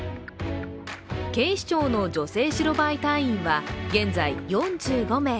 警視庁の女性白バイ隊員は現在４５名。